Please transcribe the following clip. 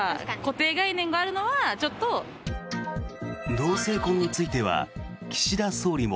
同性婚については岸田総理も。